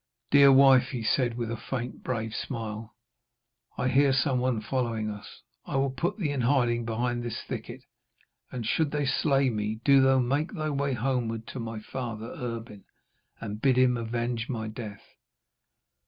'Dear wife,' he said, with a faint brave smile, 'I hear some one following us. I will put thee in hiding behind this thicket, and should they slay me, do thou make thy way homeward to my father Erbin, and bid him avenge my death.'